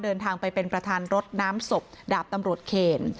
เดินทางไปเป็นประธานรถน้ำศพดาบตำรวจเคน